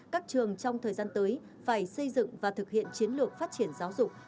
các trường trong thời gian tới phải xây dựng và thực hiện chiến lược phát triển giáo dục